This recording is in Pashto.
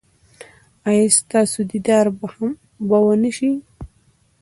ایا ستاسو دیدار به و نه شي؟